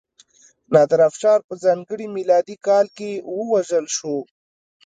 نادرافشار په ځانګړي میلادي کال کې ووژل شو.